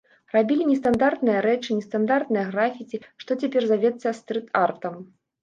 Рабілі нестандартныя рэчы, нестандартныя графіці, што цяпер завецца стрыт-артам.